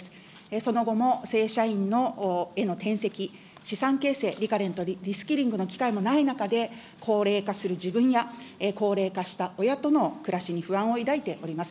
その後も正社員への転籍、資産形成、リカレント、リスキリングの機会もない中で高齢化する自分や、高齢化した親との暮らしに不安を抱いております。